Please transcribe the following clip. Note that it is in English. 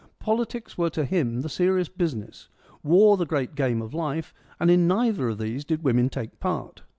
Politics were to him the serious business, war the great game of life, and in neither of these did women take part.